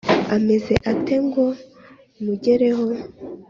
• ameze ate? ngo mugereho